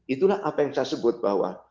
itulah apa yang saya sebut bahwa